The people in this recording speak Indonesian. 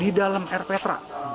di dalam erpetra